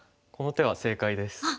この手は正解です。